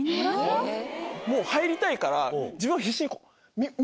もう入りたいから自分は必死に。